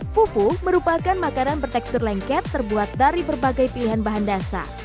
fufu merupakan makanan bertekstur lengket terbuat dari berbagai pilihan bahan dasar